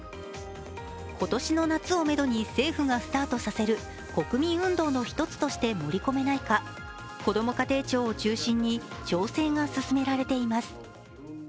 今年の夏をめどに政府がスタートさせる国民運動の一つとして盛り込めないかこども家庭庁を中心に調整が進められています。